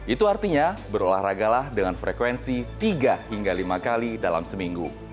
itu artinya berolahragalah dengan frekuensi tiga hingga lima kali dalam seminggu